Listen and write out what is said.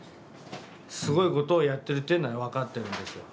すごいことをやってるっていうのは分かってるんですよ。